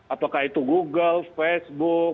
apakah itu google facebook